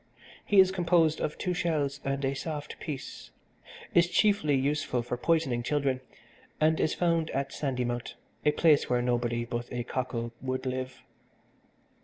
He is composed of two shells and a soft piece, is chiefly useful for poisoning children and is found at Sandymount, a place where nobody but a cockle would live.